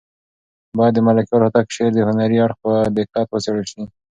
باید د ملکیار هوتک د شعر هنري اړخ په دقت وڅېړل شي.